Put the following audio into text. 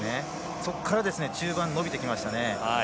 そこから中盤、伸びてきましたね。